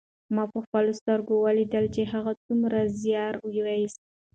ما په خپلو سترګو ولیدل چې هغه څومره زیار ویوست.